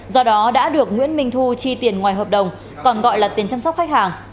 do đó đã được nguyễn minh thu chi tiền ngoài hợp đồng còn gọi là tiền chăm sóc khách hàng